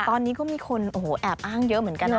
ตอนนี้ก็มีคนโอ้โหแอบอ้างเยอะเหมือนกันนะ